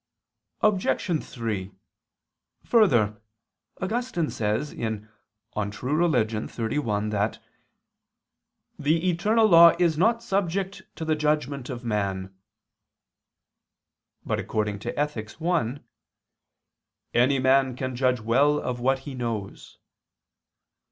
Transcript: Obj. 3: Further, Augustine says (De Vera Relig. xxxi) that "the eternal law is not subject to the judgment of man." But according to Ethic. i, "any man can judge well of what he knows."